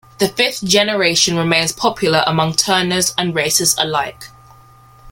The fifth generation remains popular among tuners and racers alike.